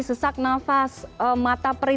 sesak nafas mata peri